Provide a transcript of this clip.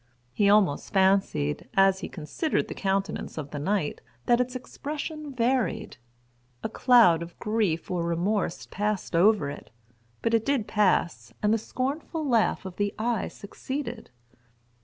He almost fancied, as he considered the countenance of the knight, that its expression varied. A cloud of grief or remorse passed over it; but it did pass, and the scornful laugh of the[Pg 23] eye succeeded.